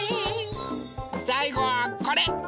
さいごはこれ！